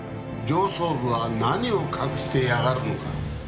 上層部は何を隠してやがるのか？